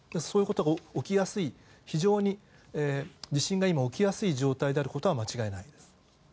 そういうことが起きやすい非常に地震が今、起きやすい状態であることは間違いないです。